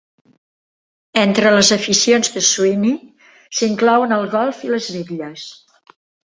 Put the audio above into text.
Entre les aficions de Sweeney s'inclouen el golf i les bitlles.